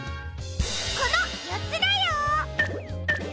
このよっつだよ！